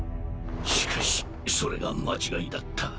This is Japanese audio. しかしそれが間違いだった。